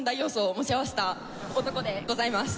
持ち合わせた男でございます。